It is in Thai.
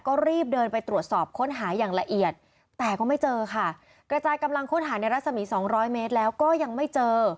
ก็รีบเดินไปตรวจสอบค้นหาอย่างละเอียดแต่ก็ไม่เจอค่ะกระจายกำลังค้นหาในรัศมีสองร้อยเมตรแล้วก็ยังไม่เจอ